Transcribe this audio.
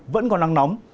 vẫn còn nắng nóng